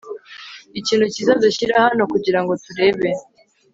Ikintu cyiza dushyira hano kugirango turebe